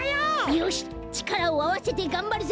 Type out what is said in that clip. よしちからをあわせてがんばるぞ！